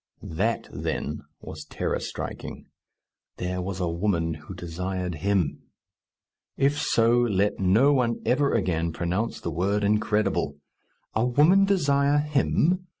That then was terror striking. There was a woman who desired him! If so, let no one ever again pronounce the word incredible! A woman desire him!